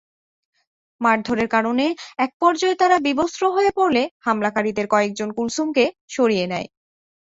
মারধরের কারণে একপর্যায়ে তাঁরা বিবস্ত্র হয়ে পড়লে হামলাকারীদের কয়েকজন কুলসুমকে সরিয়ে নেয়।